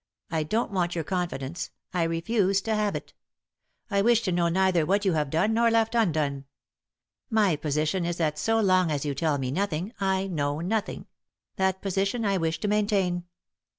I don't want your confidence — I refuse to have it. I wish to know neither what you have done nor left undone. My position is that so long as you tell me nothing, I know nothing ; that position I wish to maintain.